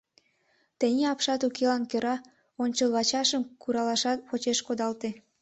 Тений апшат укелан кӧра ончылвачашым куралашат почеш кодалте.